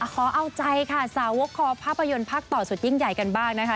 ขอเอาใจค่ะสาวกคอภาพยนตร์พักต่อสุดยิ่งใหญ่กันบ้างนะคะ